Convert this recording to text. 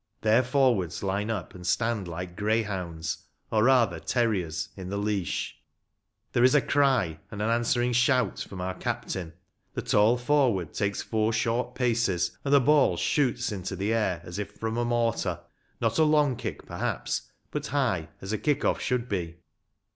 Their forwards line up and stand like greyhounds ‚ÄĒ or rather terriers ‚ÄĒ in the leash ; there is a cry and an answering shout from our captain ; the tall forward takes four short paces, and the ball shoots into A MODERN GAME OF RUGBY FOOTBALL. 207 the air as if from a mortar ‚ÄĒ not a long kick, perhaps, but high, as a kick off should be.